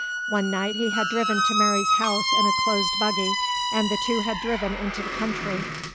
One night he had driven to Mary's house in a closed buggy and the two had driven into the country.